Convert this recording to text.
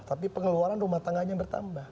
tapi pengeluaran rumah tangganya bertambah